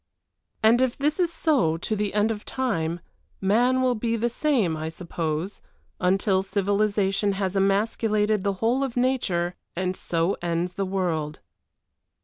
And if this is so to the end of time, man will be the same, I suppose, until civilization has emasculated the whole of nature and so ends the world!